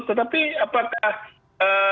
tetapi apakah ppkm itu berhasil